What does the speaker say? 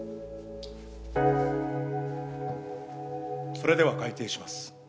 それでは開廷します。